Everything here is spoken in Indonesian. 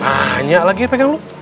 banyak lagi yang pegang lu